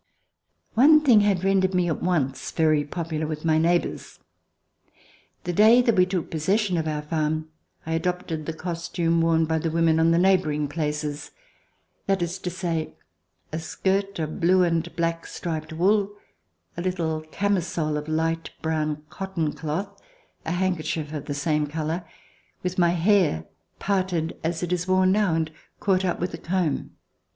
One thing had rendered me at once very popular with my neighbors. The day that we took possession of our farm, 1 adopted the costume worn by the women on the neighboring places, that is to say, a skirt of blue and black striped wool, a little camisole of light brown cotton cloth, a handkerchief of the same color, with my hair parted as it is worn now, and caught up with a comb.